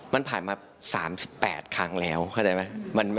มันผ่านมา๓๘ครั้งแล้วเข้าใจไหม